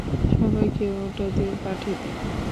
সবাইকে ওটা দিয়ে পাঠিয়ে দিন।